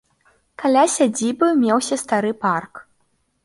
Каля сядзібы меўся стары парк.